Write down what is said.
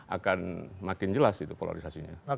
akan makin jelas itu polarisasinya